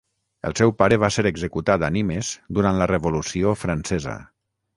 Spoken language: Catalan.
El seu pare va ser executat a Nimes durant la Revolució Francesa.